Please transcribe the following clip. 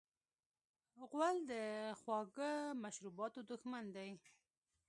غول د خواږه مشروباتو دښمن دی.